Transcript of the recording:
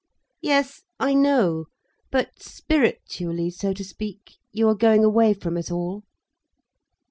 "Yes, I know. But spiritually, so to speak, you are going away from us all?"